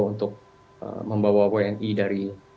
untuk membawa wni dari